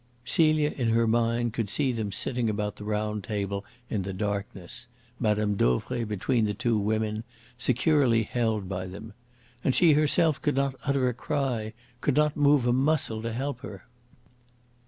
Celia, in her mind, could see them sitting about the round table in the darkness, Mme. Dauvray between the two women, securely held by them. And she herself could not utter a cry could not move a muscle to help her.